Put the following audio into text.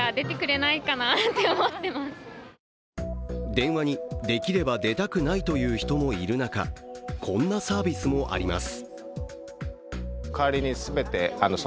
電話にできればでたくないという人もいる中、こんなサービスもあります。